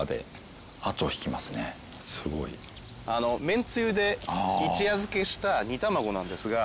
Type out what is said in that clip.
めんつゆで一夜漬けした煮たまごなんですが。